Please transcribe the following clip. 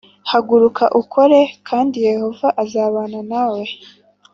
Haguruka ukore kandi Yehova azabane nawe